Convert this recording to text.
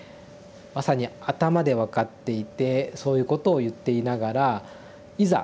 まさに頭で分かっていてそういうことを言っていながらいざ